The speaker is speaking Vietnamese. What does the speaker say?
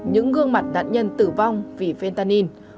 những gương mặt đạn nhân tử vong vì fentanyl